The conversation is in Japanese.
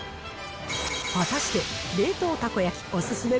果たして冷凍たこ焼きお勧め